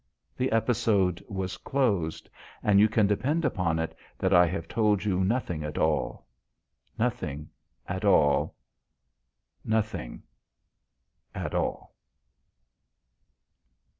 The episode was closed. And you can depend upon it that I have told you nothing at all, nothing at all, nothing at all.